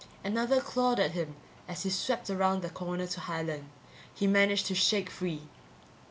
Another clawed at him as he swept around the corner to Highland. He managed to shake free.